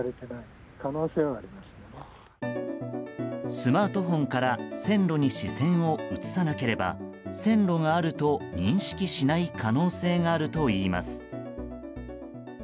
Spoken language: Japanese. スマートフォンから線路に視線を移さなければ線路があると認識しない可能性があるといいます。